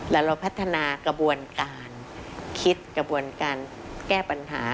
แล้วเราพัฒนากระบวนการคิดกระบวนการแก้ปัญหา